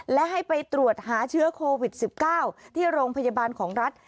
และให้ไปตรวจหาเชื้อโควิด๑๙ที่โรงพยาบาลของรัฐ